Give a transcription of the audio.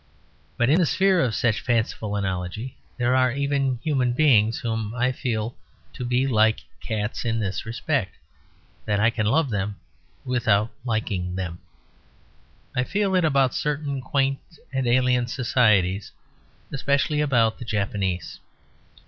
But in the sphere of such fanciful analogy there are even human beings whom I feel to be like cats in this respect: that I can love them without liking them. I feel it about certain quaint and alien societies, especially about the Japanese.